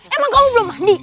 emang kamu belum mandi